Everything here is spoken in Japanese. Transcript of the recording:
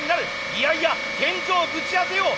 いやいや天井ぶち当てよう！